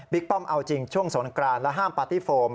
ป้อมเอาจริงช่วงสงกรานและห้ามปาร์ตี้โฟม